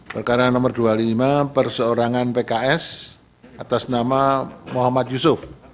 perkara nomor dua puluh lima perseorangan pks atas nama muhammad yusuf